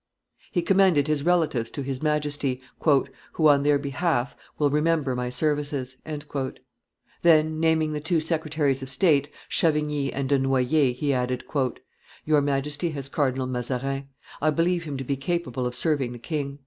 He commended his relatives to his Majesty, "who on their behalf will remember my services;" then, naming the two secretaries of state, Chavigny and De Noyers, he added, "Your Majesty has Cardinal Mazarin; I believe him to be capable of serving the king."